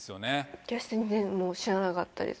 私全然知らなかったです。